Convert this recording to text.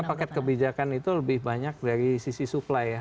karena paket kebijakan itu lebih banyak dari sisi supply ya